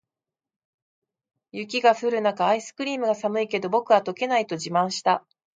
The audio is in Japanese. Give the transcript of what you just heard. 雪が降る中、アイスクリームが「寒いけど、僕は溶けない！」と自慢した。